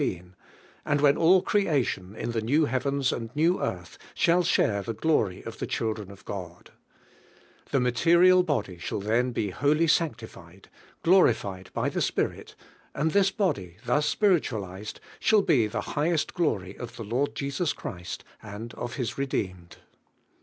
16), and when all creation in the new heavens and new earth shall share the glory of the children of God. DrVTNE ffEAXTWQ. The material body shall then be wholly sanctified, glorified by the Spirit; and this body, thus spiritualised, shall be the high est glory of the Lord Jesus Christ and of His redeemed.